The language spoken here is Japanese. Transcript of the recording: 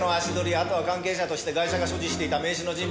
あとは関係者としてガイシャが所持していた名刺の人物